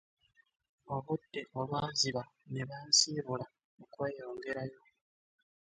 Obudde olwaziba ne bansiibula okweyongerayo.